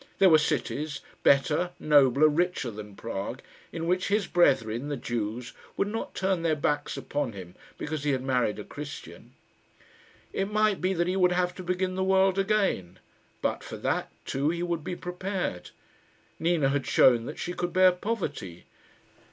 There were cities better, nobler, richer than Prague, in which his brethren, the Jews, would not turn their backs upon him because he had married a Christian. It might be that he would have to begin the world again; but for that, too, he would be prepared. Nina had shown that she could bear poverty.